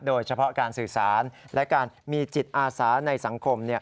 โดยเฉพาะการสื่อสารและการมีจิตอาสาในสังคม